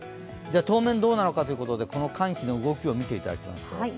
当面どうなのかということで、寒気の動きを見ていただきます。